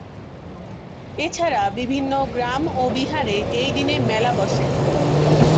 এছাড়া বিভিন্ন গ্রাম ও বিহারে এই দিনে মেলা বসে।